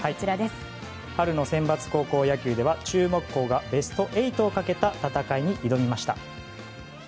春のセンバツ高校野球では注目校がベスト８をかけた戦いに挑みました。